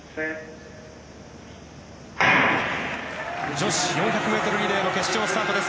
女子４００ｍリレーの決勝スタートです。